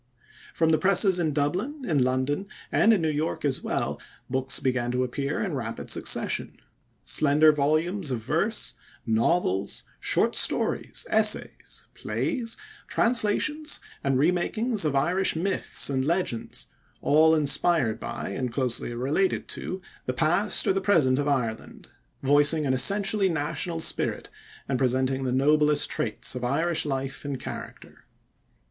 From the presses in Dublin, in London, and in New York as well, books began to appear in rapid succession slender volumes of verse, novels, short stories, essays, plays, translations, and remakings of Irish myths and legends, all inspired by, and closely related to, the past or the present of Ireland, voicing an essentially national spirit and presenting the noblest traits of Irish life and character.